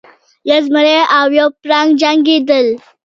یو زمری او یو پړانګ جنګیدل.